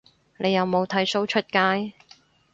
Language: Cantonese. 你有冇剃鬚出街